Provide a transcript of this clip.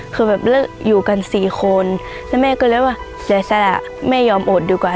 คือแบบอยู่กันสี่คนแล้วแม่ก็เรียกว่าเศร้าแม่ยอมอดดีกว่า